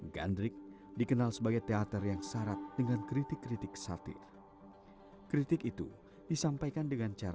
gandrik dikenal sebagai teater yang syarat dengan kritik kritik satir kritik itu disampaikan dengan cara